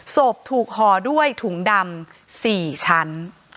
ศพถูกห่อด้วยถุงดำ๔ชั้น